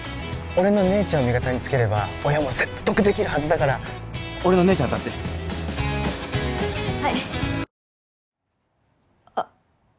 俺の姉ちゃんを味方につければ親も説得できるはずだから俺の姉ちゃんと会ってはいあっ